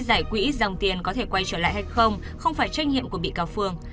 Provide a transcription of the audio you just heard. giải quỹ dòng tiền có thể quay trở lại hay không không phải trách nhiệm của bị cáo phương